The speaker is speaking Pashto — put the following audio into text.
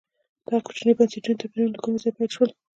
دغه کوچني بنسټي توپیرونه له کومه ځایه پیل شول.